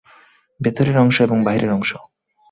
ভেতরের অংশ এবং বাহিরের অংশ।